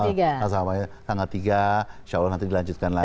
nah sama ya tanggal tiga insya allah nanti dilanjutkan lagi